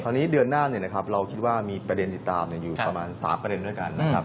นี้เดือนหน้าเราคิดว่ามีประเด็นติดตามอยู่ประมาณ๓ประเด็นด้วยกันนะครับ